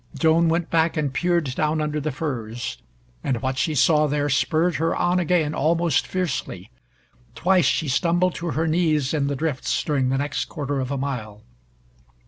Joan went back and peered down under the furs, and what she saw there spurred her on again almost fiercely. Twice she stumbled to her knees in the drifts during the next quarter of a mile.